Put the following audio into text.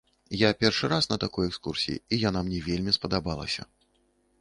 Я першы раз на такой экскурсіі, і яна мне вельмі спадабалася.